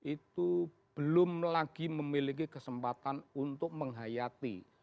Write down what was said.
itu belum lagi memiliki kesempatan untuk menghayati